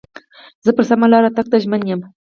زه پر سمه لار تګ ته ژمن یم.